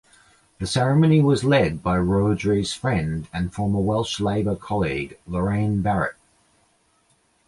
The ceremony was led by Rhodri's friend and former Welsh Labour colleague Lorraine Barrett.